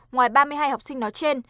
ngoài ba mươi hai học sinh nói trên